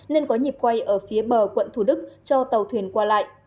nên có nhịp quay ở phía bờ quận thủ đức cho tàu thuyền qua lại